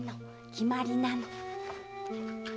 決まりなの。